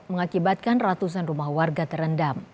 mengakibatkan ratusan rumah warga terendam